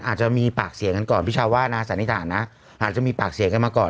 อาจจะมีปากเสียงกันก่อนพี่ชาวว่านะสันนิษฐานนะอาจจะมีปากเสียงกันมาก่อน